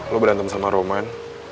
lo berantem sama roman